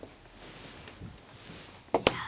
いや。